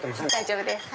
大丈夫です。